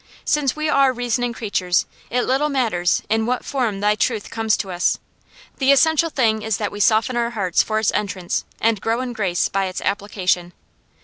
Since we are reasoning creatures, it little matters in what form Thy truth comes to us; the essential thing is that we soften our hearts for its entrance, and grow in grace by its application.